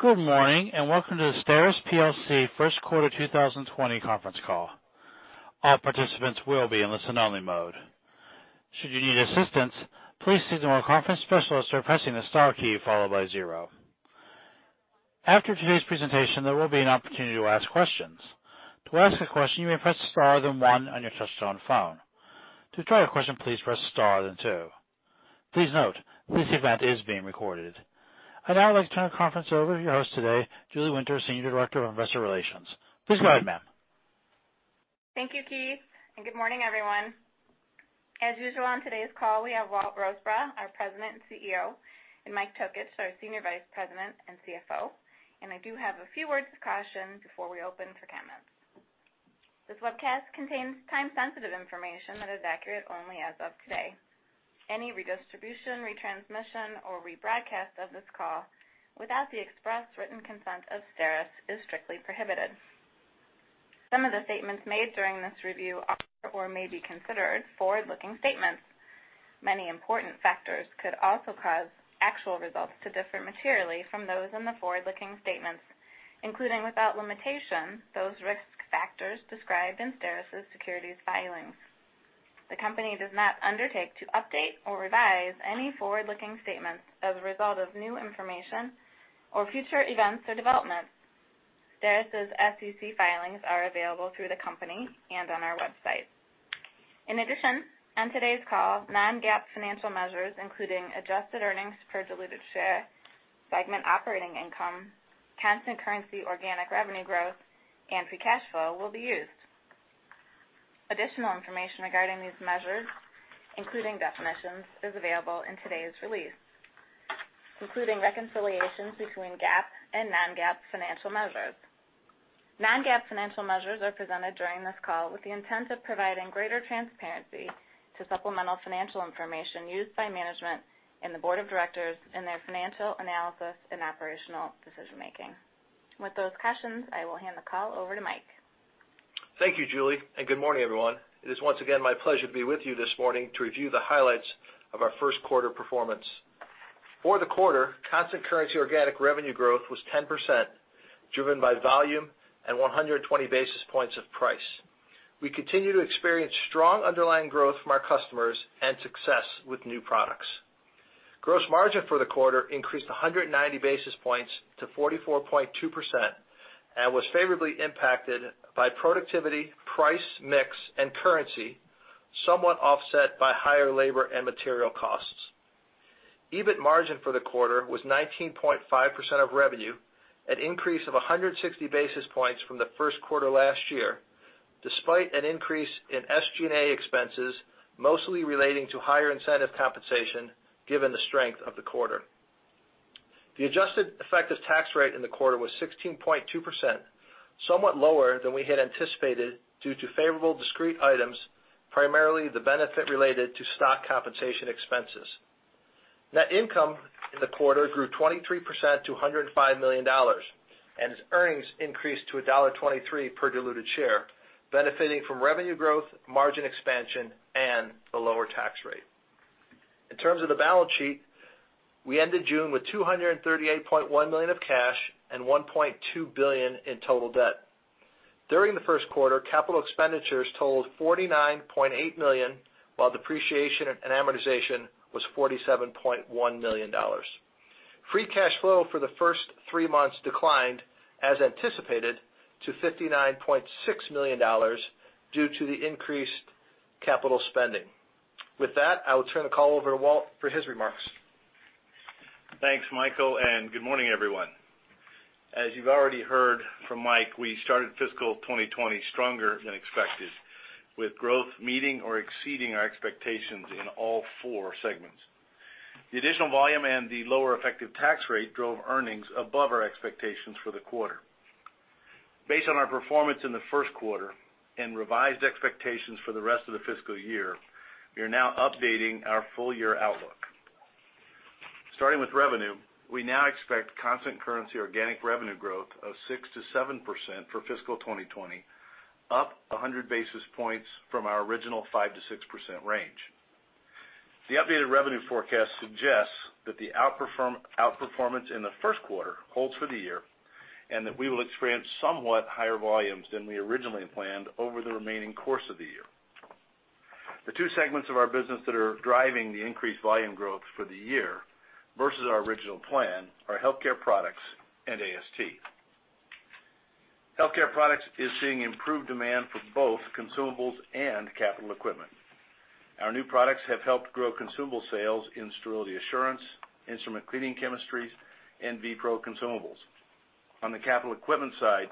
Good morning and welcome to the STERIS plc first quarter 2020 conference call. All participants will be in listen-only mode. Should you need assistance, please speak to the conference specialist or press the star key followed by zero. After today's presentation, there will be an opportunity to ask questions. To ask a question, you may press star then one on your touch-tone phone. To withdraw a question, please press star then two. Please note, this event is being recorded. I'd now like to turn the conference over to your host today, Julie Winter, Senior Director of Investor Relations. Please go ahead, ma'am. Thank you, Keith. And good morning, everyone. As usual on today's call, we have Walt Rosebrough, our President and CEO, and Mike Tokich, our Senior Vice President and CFO. And I do have a few words of caution before we open for comments. This webcast contains time-sensitive information that is accurate only as of today. Any redistribution, retransmission, or rebroadcast of this call without the express written consent of STERIS is strictly prohibited. Some of the statements made during this review are or may be considered forward-looking statements. Many important factors could also cause actual results to differ materially from those in the forward-looking statements, including without limitation, those risk factors described in STERIS' securities filings. The company does not undertake to update or revise any forward-looking statements as a result of new information or future events or developments. STERIS' SEC filings are available through the company and on our website. In addition, on today's call, non-GAAP financial measures, including adjusted earnings per diluted share, segment operating income, constant currency organic revenue growth, and free cash flow, will be used. Additional information regarding these measures, including definitions, is available in today's release, including reconciliations between GAAP and non-GAAP financial measures. Non-GAAP financial measures are presented during this call with the intent of providing greater transparency to supplemental financial information used by management and the board of directors in their financial analysis and operational decision-making. With those questions, I will hand the call over to Mike. Thank you, Julie. Good morning, everyone. It is once again my pleasure to be with you this morning to review the highlights of our first quarter performance. For the quarter, constant currency organic revenue growth was 10%, driven by volume and 120 basis points of price. We continue to experience strong underlying growth from our customers and success with new products. Gross margin for the quarter increased 190 basis points to 44.2% and was favorably impacted by productivity, price mix, and currency, somewhat offset by higher labor and material costs. EBIT margin for the quarter was 19.5% of revenue, an increase of 160 basis points from the first quarter last year, despite an increase in SG&A expenses, mostly relating to higher incentive compensation given the strength of the quarter. The adjusted effective tax rate in the quarter was 16.2%, somewhat lower than we had anticipated due to favorable discrete items, primarily the benefit related to stock compensation expenses. Net income in the quarter grew 23% to $105 million, and earnings increased to $1.23 per diluted share, benefiting from revenue growth, margin expansion, and the lower tax rate. In terms of the balance sheet, we ended June with $238.1 million of cash and $1.2 billion in total debt. During the first quarter, capital expenditures totaled $49.8 million, while depreciation and amortization was $47.1 million. Free cash flow for the first three months declined, as anticipated, to $59.6 million due to the increased capital spending. With that, I will turn the call over to Walt for his remarks. Thanks, Michael. And good morning, everyone. As you've already heard from Mike, we started fiscal 2020 stronger than expected, with growth meeting or exceeding our expectations in all four segments. The additional volume and the lower effective tax rate drove earnings above our expectations for the quarter. Based on our performance in the first quarter and revised expectations for the rest of the fiscal year, we are now updating our full-year outlook. Starting with revenue, we now expect constant currency organic revenue growth of 6%-7% for fiscal 2020, up 100 basis points from our original 5%-6% range. The updated revenue forecast suggests that the outperformance in the first quarter holds for the year and that we will experience somewhat higher volumes than we originally planned over the remaining course of the year. The two segments of our business that are driving the increased volume growth for the year versus our original plan are Healthcare Products and AST. Healthcare Products are seeing improved demand for both consumables and capital equipment. Our new products have helped grow consumable sales in Sterility Assurance, Instrument Cleaning Chemistries, and V-PRO consumables. On the capital equipment side,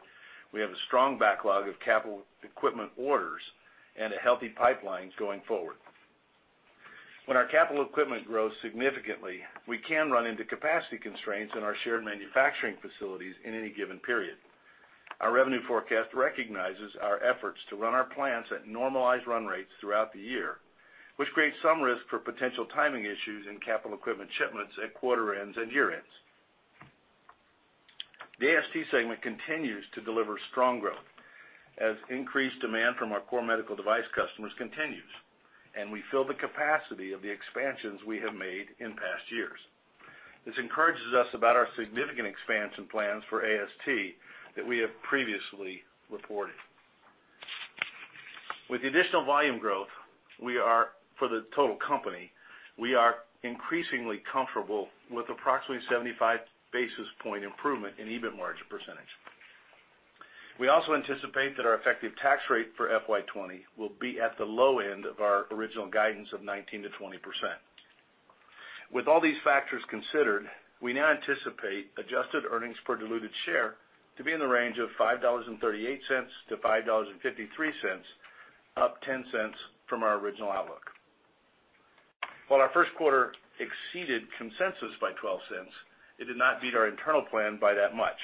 we have a strong backlog of capital equipment orders and a healthy pipeline going forward. When our capital equipment grows significantly, we can run into capacity constraints in our shared manufacturing facilities in any given period. Our revenue forecast recognizes our efforts to run our plants at normalized run rates throughout the year, which creates some risk for potential timing issues in capital equipment shipments at quarter-ends and year-ends. The AST segment continues to deliver strong growth as increased demand from our core medical device customers continues, and we fill the capacity of the expansions we have made in past years. This encourages us about our significant expansion plans for AST that we have previously reported. With the additional volume growth for the total company, we are increasingly comfortable with approximately 75 basis point improvement in EBIT margin percentage. We also anticipate that our effective tax rate for FY20 will be at the low end of our original guidance of 19%-20%. With all these factors considered, we now anticipate adjusted earnings per diluted share to be in the range of $5.38-$5.53, up $0.10 from our original outlook. While our first quarter exceeded consensus by $0.12, it did not beat our internal plan by that much.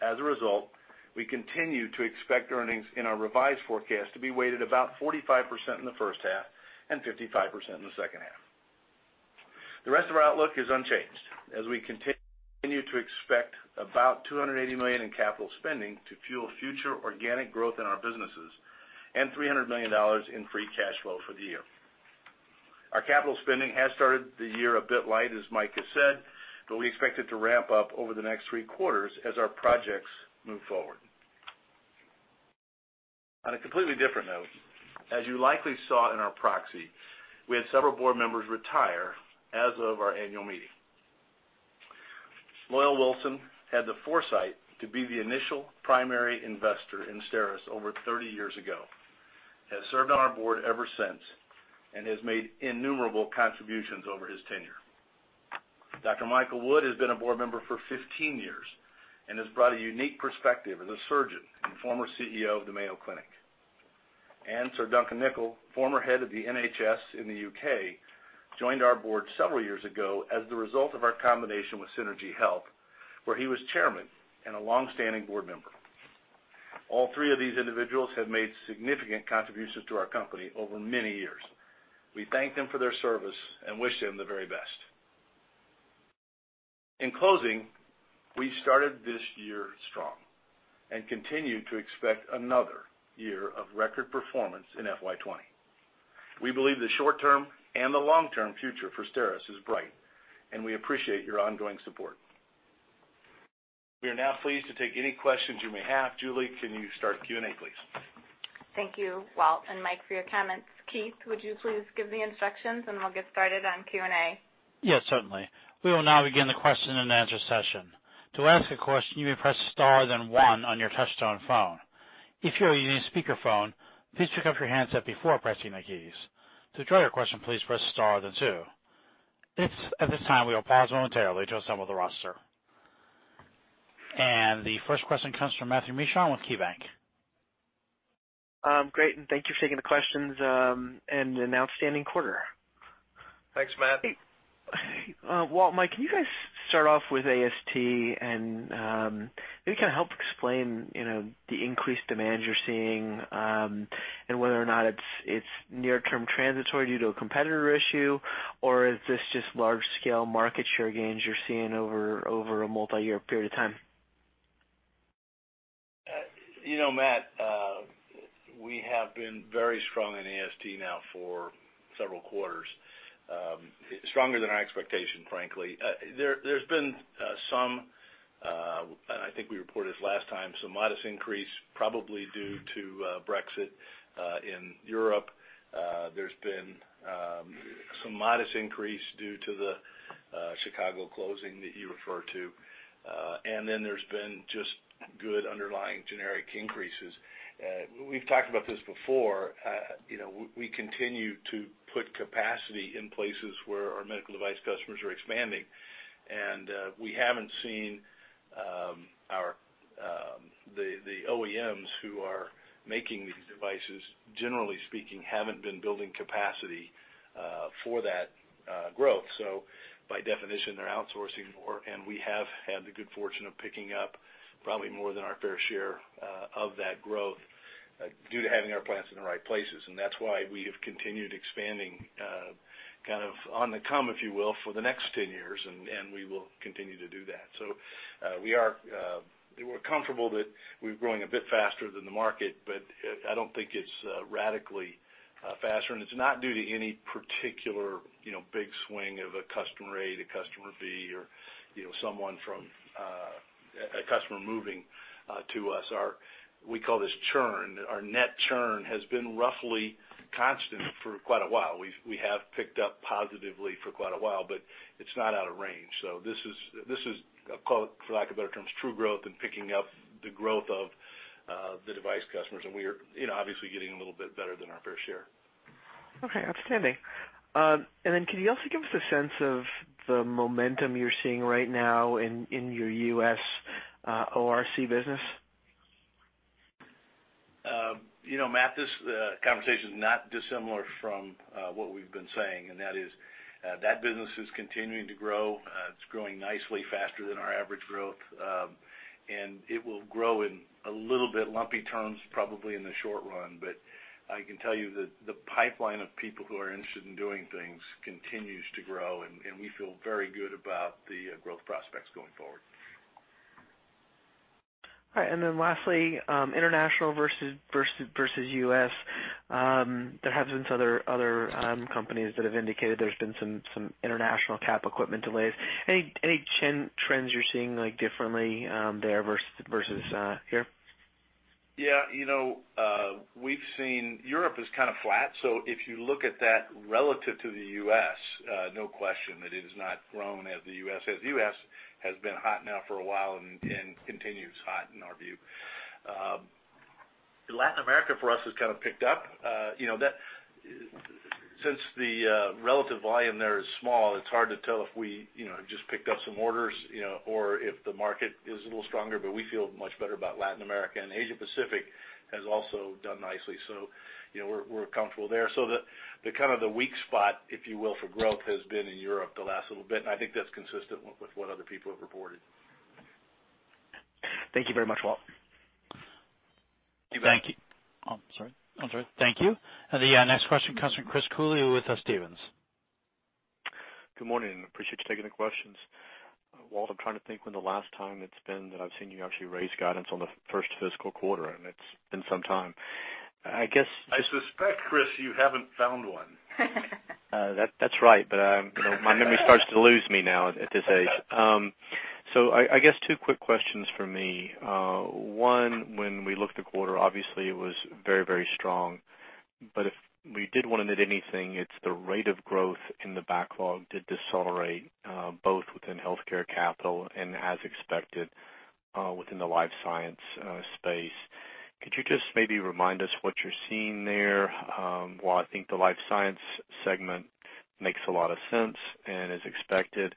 As a result, we continue to expect earnings in our revised forecast to be weighted about 45% in the first half and 55% in the second half. The rest of our outlook is unchanged as we continue to expect about $280 million in capital spending to fuel future organic growth in our businesses and $300 million in free cash flow for the year. Our capital spending has started the year a bit light, as Mike has said, but we expect it to ramp up over the next three quarters as our projects move forward. On a completely different note, as you likely saw in our proxy, we had several board members retire as of our annual meeting. Loyal Wilson had the foresight to be the initial primary investor in STERIS over 30 years ago, has served on our board ever since, and has made innumerable contributions over his tenure. Dr. Michael Wood has been a board member for 15 years and has brought a unique perspective as a surgeon and former CEO of the Mayo Clinic. And Sir Duncan Nichol, former head of the NHS in the U.K., joined our board several years ago as the result of our combination with Synergy Health, where he was chairman and a longstanding board member. All three of these individuals have made significant contributions to our company over many years. We thank them for their service and wish them the very best. In closing, we started this year strong and continue to expect another year of record performance in FY20. We believe the short-term and the long-term future for STERIS is bright, and we appreciate your ongoing support. We are now pleased to take any questions you may have. Julie, can you start Q&A, please? Thank you, Walt and Mike, for your comments. Keith, would you please give the instructions, and we'll get started on Q&A? Yes, certainly. We will now begin the question and answer session. To ask a question, you may press star then one on your touch-tone phone. If you're using a speakerphone, please pick up your handset before pressing the keys. To try your question, please press star then two. At this time, we will pause momentarily to assemble the roster. And the first question comes from Matthew Mishan with KeyBanc. Great. And thank you for taking the questions and an outstanding quarter. Thanks, Matt. Walt, Mike, can you guys start off with AST and maybe kind of help explain the increased demand you're seeing and whether or not it's near-term transitory due to a competitor issue, or is this just large-scale market share gains you're seeing over a multi-year period of time? You know, Matt, we have been very strong in AST now for several quarters, stronger than our expectation, frankly. There's been some, and I think we reported this last time, some modest increase, probably due to Brexit in Europe. There's been some modest increase due to the Chicago closing that you referred to. And then there's been just good underlying organic increases. We've talked about this before. We continue to put capacity in places where our medical device customers are expanding. And we haven't seen the OEMs who are making these devices, generally speaking, haven't been building capacity for that growth. So by definition, they're outsourcing more. And we have had the good fortune of picking up probably more than our fair share of that growth due to having our plants in the right places. That's why we have continued expanding kind of on the come, if you will, for the next 10 years. We will continue to do that. We're comfortable that we're growing a bit faster than the market, but I don't think it's radically faster. It's not due to any particular big swing of a customer A to customer B or someone from a customer moving to us. We call this churn. Our net churn has been roughly constant for quite a while. We have picked up positively for quite a while, but it's not out of range. This is, for lack of better terms, true growth and picking up the growth of the device customers. We are obviously getting a little bit better than our fair share. Okay. Outstanding. And then can you also give us a sense of the momentum you're seeing right now in your U.S. ORC business? You know, Matt, this conversation is not dissimilar from what we've been saying. And that is that business is continuing to grow. It's growing nicely, faster than our average growth. And it will grow in a little bit lumpy terms, probably in the short run. But I can tell you that the pipeline of people who are interested in doing things continues to grow. And we feel very good about the growth prospects going forward. All right. And then lastly, international versus U.S. There have been some other companies that have indicated there's been some international capital equipment delays. Any trends you're seeing differently there versus here? Yeah. You know, we've seen Europe is kind of flat. So if you look at that relative to the U.S., no question that it has not grown as the U.S. has been hot now for a while and continues hot in our view. Latin America, for us, has kind of picked up. Since the relative volume there is small, it's hard to tell if we have just picked up some orders or if the market is a little stronger. But we feel much better about Latin America. And Asia-Pacific has also done nicely. So we're comfortable there. So kind of the weak spot, if you will, for growth has been in Europe the last little bit. And I think that's consistent with what other people have reported. Thank you very much, Walt. Thank you, Matt. Thank you. And the next question comes from Chris Cooley with Stephens. Good morning. Appreciate you taking the questions. Walt, I'm trying to think when the last time it's been that I've seen you actually raise guidance on the first fiscal quarter, and it's been some time. I guess. I suspect, Chris, you haven't found one. That's right, but my memory starts to lose me now at this age, so I guess two quick questions for me. One, when we looked at the quarter, obviously, it was very, very strong, but if we did want to nitpick anything, it's the rate of growth in the backlog that decelerate, both within healthcare capital and, as expected, within the life science space. Could you just maybe remind us what you're seeing there, well, I think the life science segment makes a lot of sense, and as expected,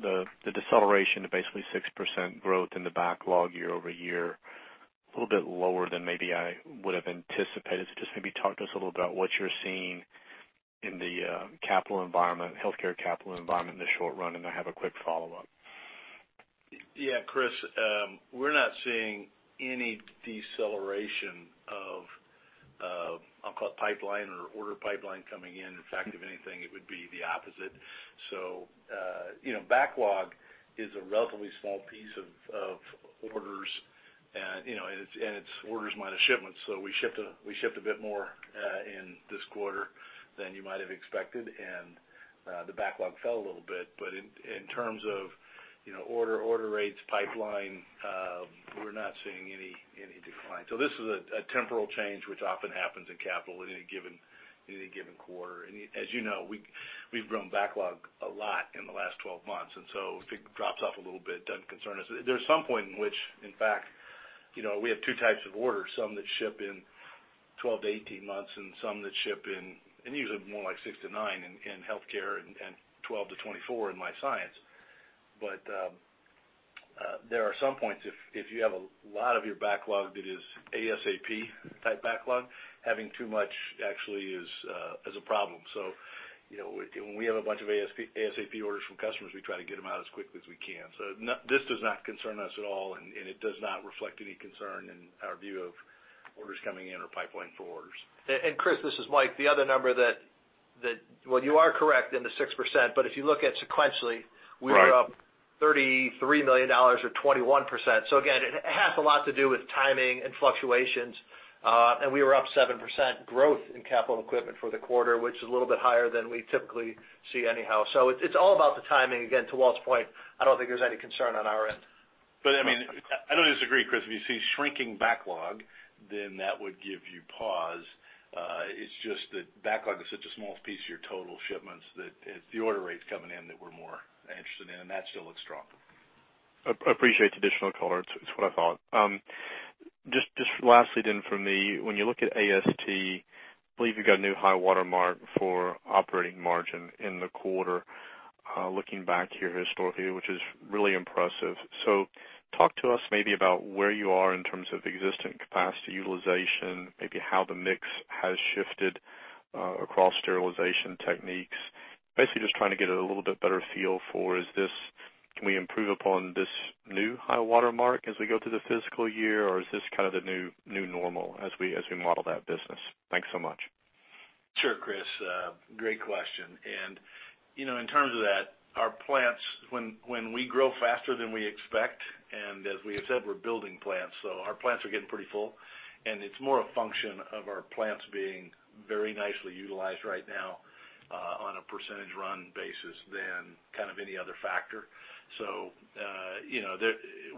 the deceleration to basically 6% growth in the backlog year over year, a little bit lower than maybe I would have anticipated. So just maybe talk to us a little bit about what you're seeing in the capital environment, healthcare capital environment in the short run, and I have a quick follow-up. Yeah, Chris. We're not seeing any deceleration of, I'll call it, pipeline or order pipeline coming in. In fact, if anything, it would be the opposite. So backlog is a relatively small piece of orders. And it's orders minus shipments. So we shipped a bit more in this quarter than you might have expected. And the backlog fell a little bit. But in terms of order rates, pipeline, we're not seeing any decline. So this is a temporal change, which often happens in capital in any given quarter. And as you know, we've grown backlog a lot in the last 12 months. And so if it drops off a little bit, it doesn't concern us. There's some point in which, in fact, we have two types of orders: some that ship in 12 to 18 months and some that ship in, and usually more like six to nine in healthcare and 12-24 in life science, but there are some points if you have a lot of your backlog that is ASAP type backlog, having too much actually is a problem, so when we have a bunch of ASAP orders from customers, we try to get them out as quickly as we can, so this does not concern us at all, and it does not reflect any concern in our view of orders coming in or pipeline for orders. Chris, this is Mike. The other number that, well, you are correct in the 6%. But if you look at sequentially, we were up $33 million or 21%. So again, it has a lot to do with timing and fluctuations. And we were up 7% growth in capital equipment for the quarter, which is a little bit higher than we typically see anyhow. So it's all about the timing. Again, to Walt's point, I don't think there's any concern on our end. But I mean, I don't disagree, Chris. If you see shrinking backlog, then that would give you pause. It's just that backlog is such a small piece of your total shipments that it's the order rates coming in that we're more interested in. And that still looks strong. Appreciate the additional color. It's what I thought. Just lastly, then, for me, when you look at AST, I believe you've got a new high watermark for operating margin in the quarter, looking back here historically, which is really impressive. So talk to us maybe about where you are in terms of existing capacity utilization, maybe how the mix has shifted across sterilization techniques. Basically, just trying to get a little bit better feel for, can we improve upon this new high watermark as we go through the fiscal year? Or is this kind of the new normal as we model that business? Thanks so much. Sure, Chris. Great question. And in terms of that, our plants, when we grow faster than we expect, and as we have said, we're building plants. So our plants are getting pretty full. And it's more a function of our plants being very nicely utilized right now on a percentage-run basis than kind of any other factor. So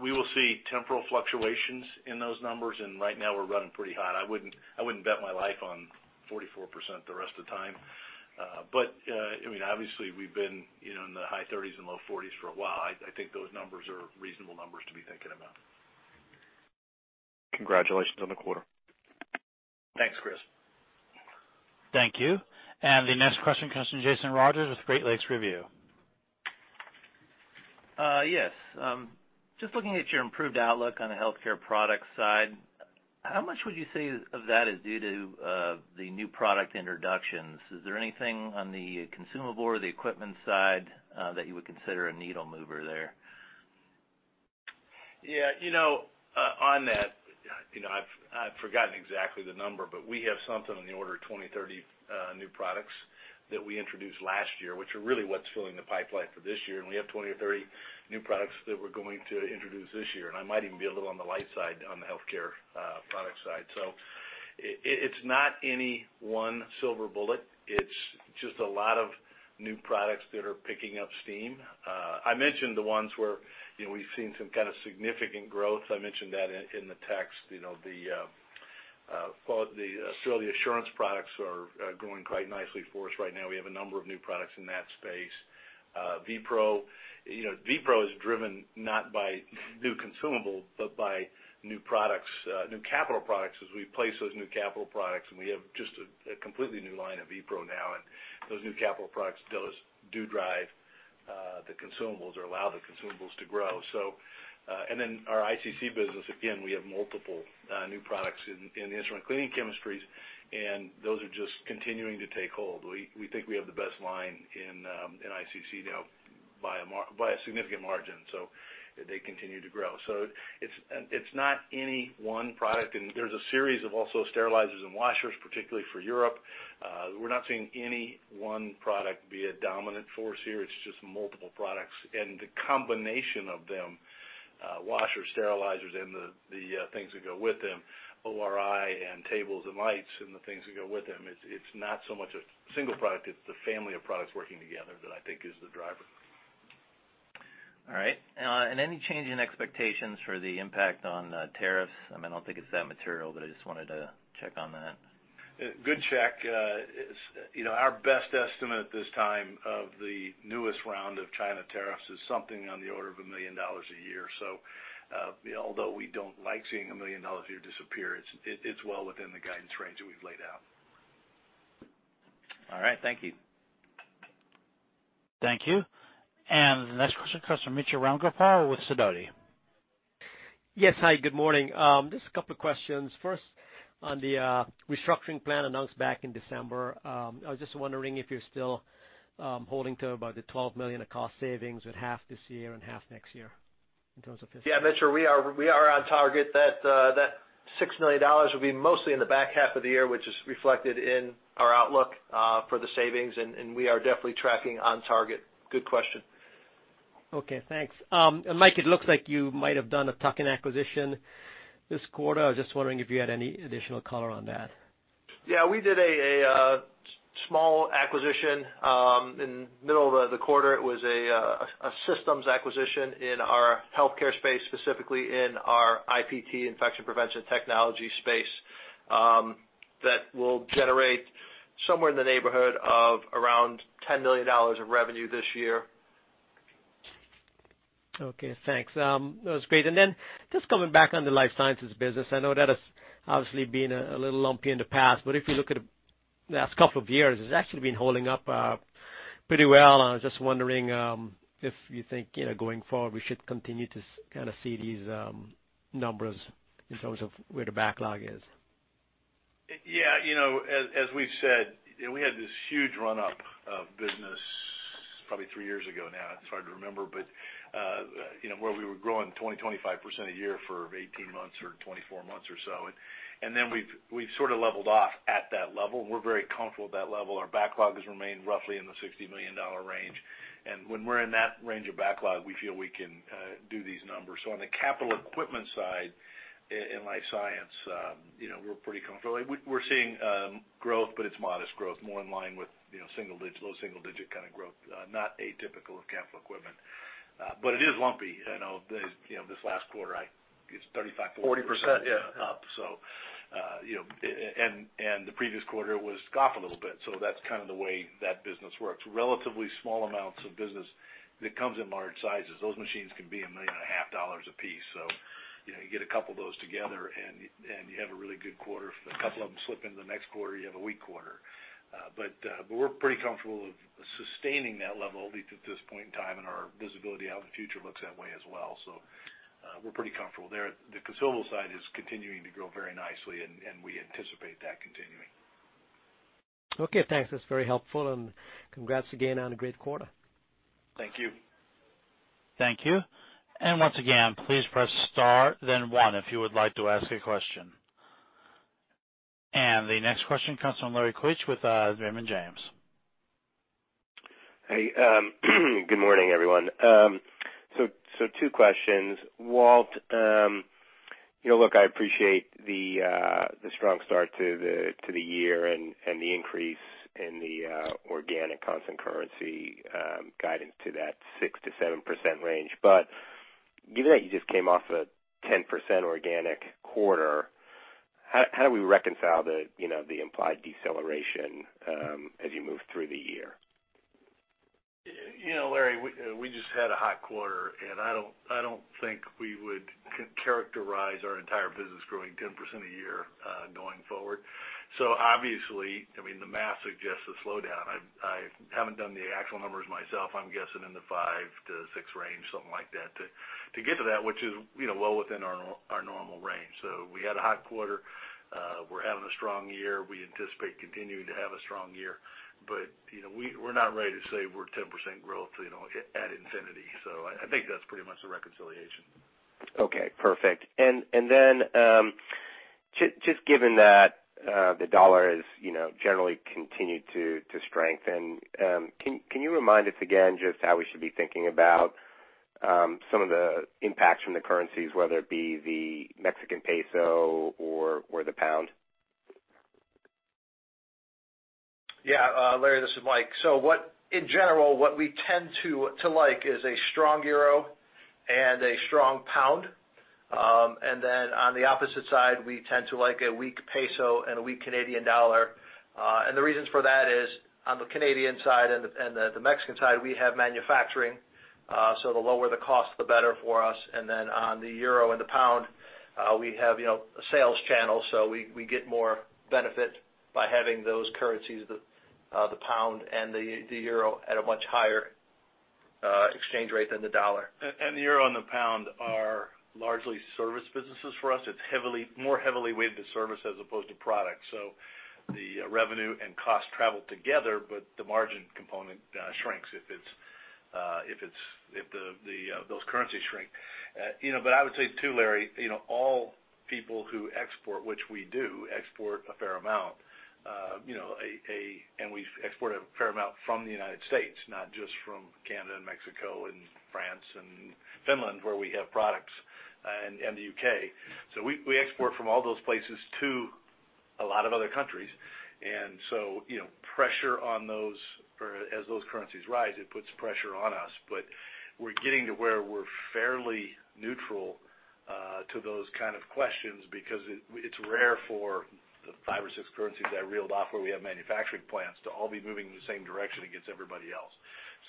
we will see temporal fluctuations in those numbers. And right now, we're running pretty hot. I wouldn't bet my life on 44% the rest of the time. But I mean, obviously, we've been in the high 30s and low 40s for a while. I think those numbers are reasonable numbers to be thinking about. Congratulations on the quarter. Thanks, Chris. Thank you. The next question comes from Jason Rodgers with Great Lakes Review. Yes. Just looking at your improved outlook on the healthcare product side, how much would you say of that is due to the new product introductions? Is there anything on the consumable or the equipment side that you would consider a needle mover there? Yeah. You know, on that, I've forgotten exactly the number, but we have something on the order of 20-30 new products that we introduced last year, which are really what's filling the pipeline for this year. And we have 20 or 30 new products that we're going to introduce this year. And I might even be a little on the light side on the healthcare product side. So it's not any one silver bullet. It's just a lot of new products that are picking up steam. I mentioned the ones where we've seen some kind of significant growth. I mentioned that in the text. The sterility assurance products are growing quite nicely for us right now. We have a number of new products in that space. V-PRO, V-PRO is driven not by new consumable, but by new capital products as we place those new capital products. And we have just a completely new line of V-PRO now. And those new capital products do drive the consumables or allow the consumables to grow. And then our ICC business, again, we have multiple new products in Instrument Cleaning Chemistries. And those are just continuing to take hold. We think we have the best line in ICC now by a significant margin. So they continue to grow. So it's not any one product. And there's a series of also sterilizers and washers, particularly for Europe. We're not seeing any one product be a dominant force here. It's just multiple products. And the combination of them, washers, sterilizers, and the things that go with them, ORI and tables and lights and the things that go with them, it's not so much a single product. It's the family of products working together that I think is the driver. All right. And any change in expectations for the impact on tariffs? I mean, I don't think it's that material, but I just wanted to check on that. Good check. Our best estimate at this time of the newest round of China tariffs is something on the order of $1 million a year. So although we don't like seeing $1 million a year disappear, it's well within the guidance range that we've laid out. All right. Thank you. Thank you. And the next question comes from Mitra Ramgopal with Sidoti. Yes. Hi, good morning. Just a couple of questions. First, on the restructuring plan announced back in December, I was just wondering if you're still holding to about the $12 million of cost savings at half this year and half next year in terms of fiscal? Yeah, Mitra, we are on target. That $6 million will be mostly in the back half of the year, which is reflected in our outlook for the savings. We are definitely tracking on target. Good question. Okay. Thanks, and Mike, it looks like you might have done a tuck-in acquisition this quarter. I was just wondering if you had any additional color on that. Yeah. We did a small acquisition in the middle of the quarter. It was a systems acquisition in our healthcare space, specifically in our IPT, infection prevention technology space, that will generate somewhere in the neighborhood of around $10 million of revenue this year. Okay. Thanks. That was great. And then just coming back on the life sciences business, I know that has obviously been a little lumpy in the past. But if you look at the last couple of years, it's actually been holding up pretty well. I was just wondering if you think going forward we should continue to kind of see these numbers in terms of where the backlog is? Yeah. As we've said, we had this huge run-up of business probably three years ago now. It's hard to remember. But where we were growing 20%-25% a year for 18 months or 24 months or so. And then we've sort of leveled off at that level. And we're very comfortable with that level. Our backlog has remained roughly in the $60 million range. And when we're in that range of backlog, we feel we can do these numbers. So on the capital equipment side in life science, we're pretty comfortable. We're seeing growth, but it's modest growth, more in line with single digit, low single digit kind of growth, not atypical of capital equipment. But it is lumpy. This last quarter, it's 35%-40% up. So and the previous quarter, it was off a little bit. So that's kind of the way that business works. Relatively small amounts of business that comes in large sizes. Those machines can be $1.5 million a piece. So you get a couple of those together, and you have a really good quarter. A couple of them slip into the next quarter, you have a weak quarter. But we're pretty comfortable with sustaining that level at this point in time. And our visibility out in the future looks that way as well. So we're pretty comfortable there. The consumable side is continuing to grow very nicely. And we anticipate that continuing. Okay. Thanks. That's very helpful. And congrats again on a great quarter. Thank you. Thank you. And once again, please press star, then one if you would like to ask a question. And the next question comes from Lawrence Keusch with Raymond James. Hey. Good morning, everyone. So two questions. Walt, look, I appreciate the strong start to the year and the increase in the organic constant currency guidance to that 6%-7% range. But given that you just came off a 10% organic quarter, how do we reconcile the implied deceleration as you move through the year? Larry, we just had a hot quarter, and I don't think we would characterize our entire business growing 10% a year going forward, so obviously, I mean, the math suggests a slowdown. I haven't done the actual numbers myself. I'm guessing in the 5%-6% range, something like that, to get to that, which is well within our normal range, so we had a hot quarter. We're having a strong year. We anticipate continuing to have a strong year, but we're not ready to say we're 10% growth at infinity, so I think that's pretty much the reconciliation. Okay. Perfect. And then just given that the dollar has generally continued to strengthen, can you remind us again just how we should be thinking about some of the impacts from the currencies, whether it be the Mexican peso or the pound? Yeah. Larry, this is Mike. So in general, what we tend to like is a strong euro and a strong pound. And then on the opposite side, we tend to like a weak peso and a weak Canadian dollar. And the reasons for that is on the Canadian side and the Mexican side, we have manufacturing. So the lower the cost, the better for us. And then on the euro and the pound, we have a sales channel. So we get more benefit by having those currencies, the pound and the euro, at a much higher exchange rate than the dollar. And the euro and the pound are largely service businesses for us. It's more heavily weighted to service as opposed to product. So the revenue and cost travel together, but the margin component shrinks if those currencies shrink. But I would say too, Larry, all people who export, which we do export a fair amount, and we export a fair amount from the United States, not just from Canada and Mexico and France and Finland where we have products and the UK. So we export from all those places to a lot of other countries. And so pressure on those, as those currencies rise, it puts pressure on us. But we're getting to where we're fairly neutral to those kind of questions because it's rare for the five or six currencies I reeled off where we have manufacturing plants to all be moving in the same direction against everybody else.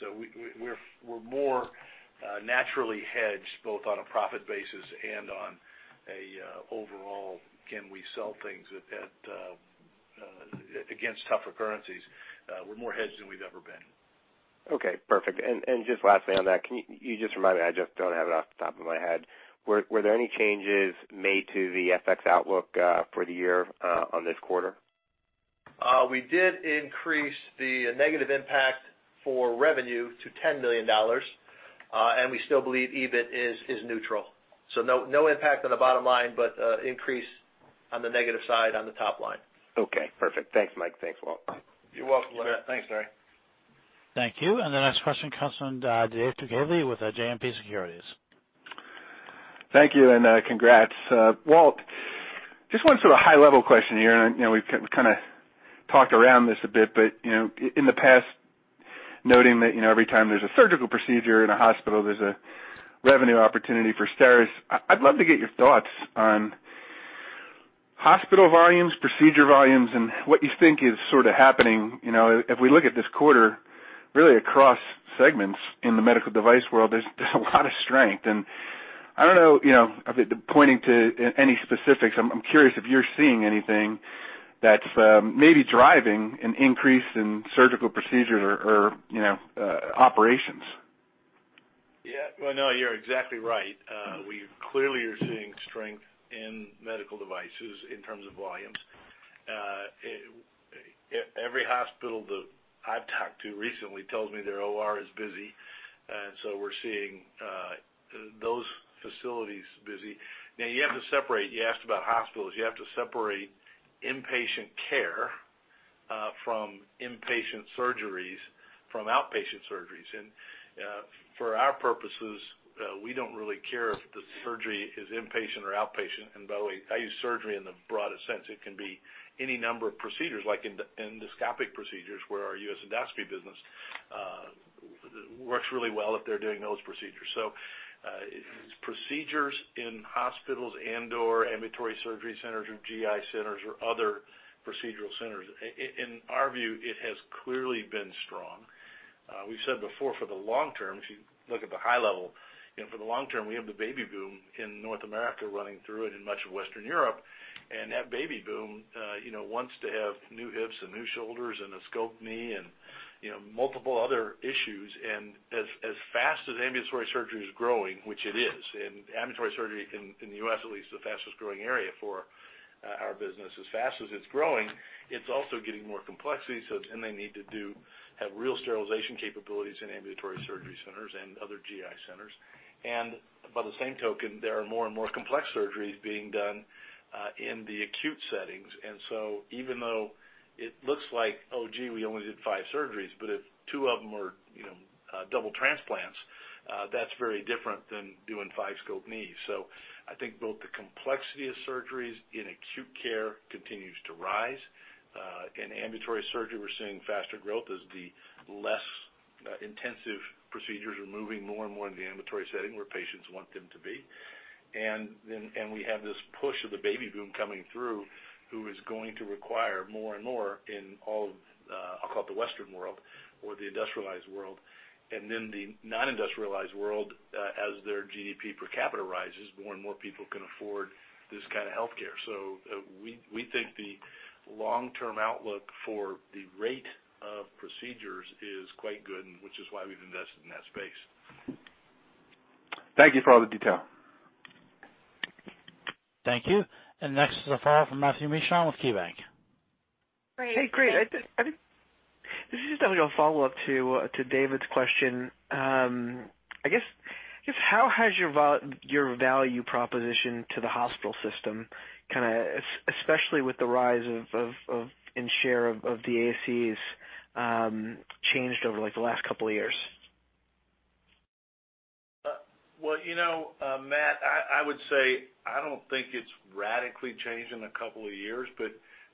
So we're more naturally hedged both on a profit basis and on an overall, can we sell things against tougher currencies? We're more hedged than we've ever been. Okay. Perfect. And just lastly on that, you just reminded me. I just don't have it off the top of my head. Were there any changes made to the FX outlook for the year on this quarter? We did increase the negative impact for revenue to $10 million, and we still believe EBIT is neutral, so no impact on the bottom line, but increase on the negative side on the top line. Okay. Perfect. Thanks, Mike. Thanks, Walt. You're welcome, Larry. Thanks, Larry. Thank you, and the next question comes from David Turkaly with JMP Securities. Thank you. And congrats. Walt, just one sort of high-level question here. And we've kind of talked around this a bit. But in the past, noting that every time there's a surgical procedure in a hospital, there's a revenue opportunity for STERIS. I'd love to get your thoughts on hospital volumes, procedure volumes, and what you think is sort of happening. If we look at this quarter, really across segments in the medical device world, there's a lot of strength. And I don't know, pointing to any specifics, I'm curious if you're seeing anything that's maybe driving an increase in surgical procedures or operations. Yeah. Well, no, you're exactly right. We clearly are seeing strength in medical devices in terms of volumes. Every hospital that I've talked to recently tells me their OR is busy. And so we're seeing those facilities busy. Now, you have to separate. You asked about hospitals. You have to separate inpatient care from inpatient surgeries from outpatient surgeries. And for our purposes, we don't really care if the surgery is inpatient or outpatient. And by the way, I use surgery in the broadest sense. It can be any number of procedures, like endoscopic procedures, where our US Endoscopy business works really well if they're doing those procedures. So procedures in hospitals and/or ambulatory surgery centers or GI centers or other procedural centers, in our view, it has clearly been strong. We've said before for the long term, if you look at the high level, for the long term, we have the Baby Boom in North America running through it in much of Western Europe, and that Baby Boom wants to have new hips and new shoulders and a scoped knee and multiple other issues, as fast as ambulatory surgery is growing, which it is, and ambulatory surgery in the U.S., at least the fastest growing area for our business, as fast as it's growing, it's also getting more complexity, they need to have real sterilization capabilities in Ambulatory Surgery Centers and other GI Centers, and by the same token, there are more and more complex surgeries being done in the acute settings. And so even though it looks like, "Oh gee, we only did five surgeries," but if two of them are double transplants, that's very different than doing five scoped knees. So I think both the complexity of surgeries in acute care continues to rise. In ambulatory surgery, we're seeing faster growth as the less intensive procedures are moving more and more into the ambulatory setting where patients want them to be. And we have this push of the baby boom coming through who is going to require more and more in all of, I'll call it the Western world or the industrialized world. And then the non-industrialized world, as their GDP per capita rises, more and more people can afford this kind of healthcare. So we think the long-term outlook for the rate of procedures is quite good, which is why we've invested in that space. Thank you for all the detail. Thank you. And next is a follow-up from Matthew Mishan with KeyBanc. Hey, great. This is just a follow-up to David's question. I guess, how has your value proposition to the hospital system, kind of especially with the rise in share of the ASCs, changed over the last couple of years? Matt, I would say I don't think it's radically changed in a couple of years.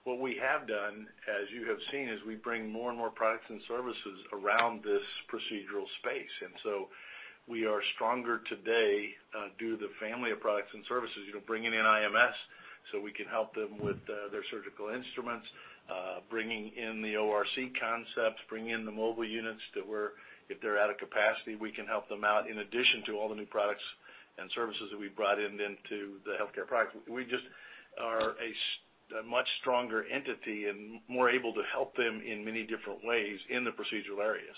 What we have done, as you have seen, is we bring more and more products and services around this procedural space. We are stronger today due to the family of products and services, bringing in IMS so we can help them with their surgical instruments, bringing in the ORC concepts, bringing in the mobile units to where, if they're out of capacity, we can help them out in addition to all the new products and services that we brought into the healthcare products. We just are a much stronger entity and more able to help them in many different ways in the procedural areas.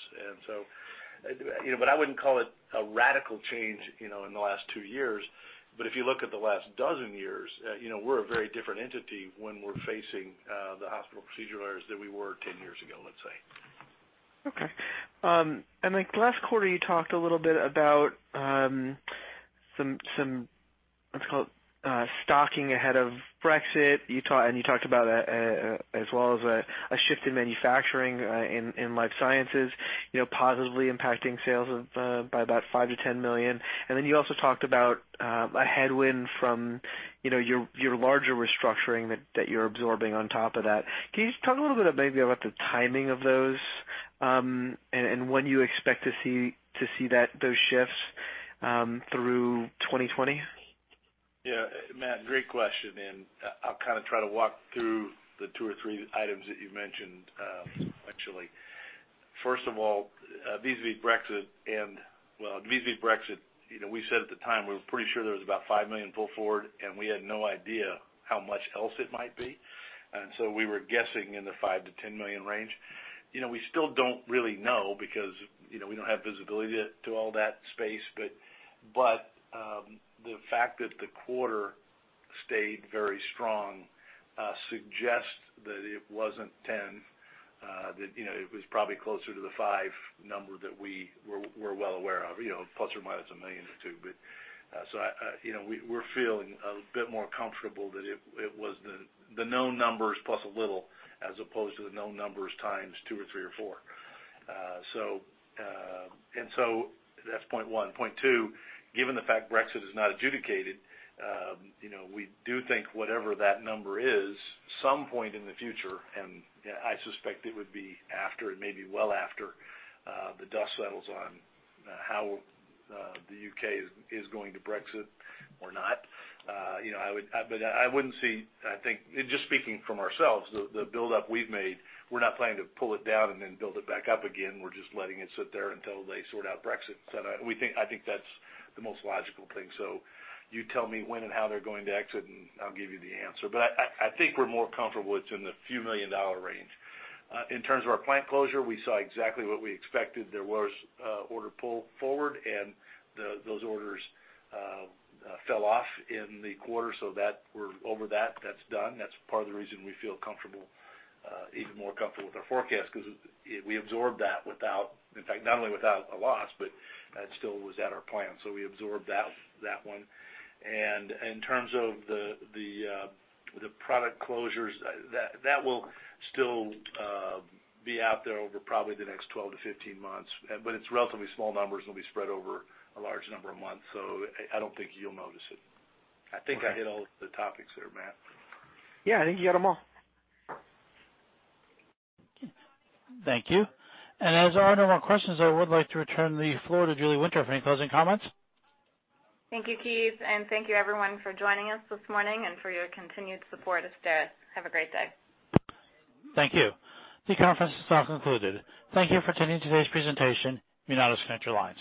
I wouldn't call it a radical change in the last two years. But if you look at the last dozen years, we're a very different entity when we're facing the hospital procedural areas than we were 10 years ago, let's say. Okay. And then last quarter, you talked a little bit about some, what's it called, stocking ahead of Brexit. And you talked about as well as a shift in manufacturing in life sciences, positively impacting sales by about $5 million-$10 million. And then you also talked about a headwind from your larger restructuring that you're absorbing on top of that. Can you just talk a little bit maybe about the timing of those and when you expect to see those shifts through 2020? Yeah. Matt, great question. And I'll kind of try to walk through the two or three items that you mentioned actually. First of all, vis-à-vis Brexit and well, vis-à-vis Brexit, we said at the time we were pretty sure there was about $5 million full forward, and we had no idea how much else it might be. And so we were guessing in the $5 million-$10 million range. We still don't really know because we don't have visibility to all that space. But the fact that the quarter stayed very strong suggests that it wasn't $10 million, that it was probably closer to the $5 million number that we were well aware of, plus or minus a million or two. So we're feeling a bit more comfortable that it was the known numbers plus a little as opposed to the known numbers times two or three or four. And so that's point one. Point two, given the fact Brexit is not adjudicated, we do think whatever that number is, some point in the future, and I suspect it would be after and maybe well after the dust settles on how the U.K. is going to Brexit or not. But I wouldn't see, I think, just speaking from ourselves, the buildup we've made, we're not planning to pull it down and then build it back up again. We're just letting it sit there until they sort out Brexit. I think that's the most logical thing. So you tell me when and how they're going to exit, and I'll give you the answer. But I think we're more comfortable it's in the few million-dollar range. In terms of our plant closure, we saw exactly what we expected. There was order pull forward, and those orders fell off in the quarter. So we're over that. That's done. That's part of the reason we feel comfortable, even more comfortable with our forecast because we absorbed that without, in fact, not only without a loss, but that still was at our plan. So we absorbed that one. And in terms of the product closures, that will still be out there over probably the next 12-15 months. But it's relatively small numbers, and it'll be spread over a large number of months. So I don't think you'll notice it. I think I hit all the topics there, Matt. Yeah. I think you got them all. Thank you, and as there are no more questions, I would like to return the floor to Julie Winter for any closing comments. Thank you, Keith. And thank you, everyone, for joining us this morning and for your continued support of STERIS. Have a great day. Thank you. The conference is now concluded. Thank you for attending today's presentation. You may now disconnect your lines.